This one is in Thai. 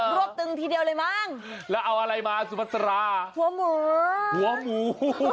วบตึงทีเดียวเลยมั้งแล้วเอาอะไรมาสุพัตราหัวหมูหัวหมู